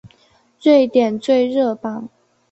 瑞典最热榜。